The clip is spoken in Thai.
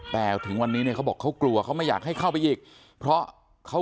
แต่ถึงวันนี้เนี่ยเขาบอกเขากลัวเขาไม่อยากให้เข้าไปอีกเพราะเขา